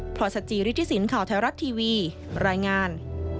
พรศจริษฐศิลป์เข่าไทยรัฐทีวีรายงาน